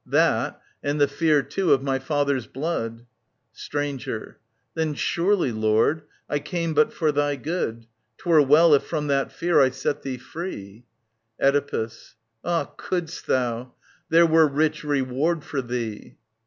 That, and the fear too of my father's blood. Stranger. Then, surely. Lord ... I came but for thy good .,, 'Twere well if from that fear I set thee free. Oedipus. Ah, couldst thou I There were rich reward for thee.